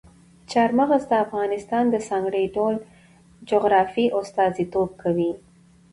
چار مغز د افغانستان د ځانګړي ډول جغرافیې استازیتوب کوي.